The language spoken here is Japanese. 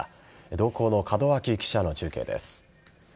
同行の門脇記者の中継です。